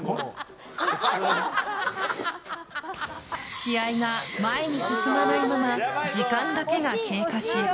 試合が前に進まないまま時間だけが経過し。